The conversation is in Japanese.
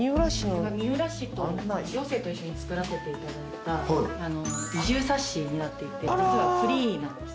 三浦市と行政と一緒に作らせていただいた移住冊子になっていて実はフリーなんです。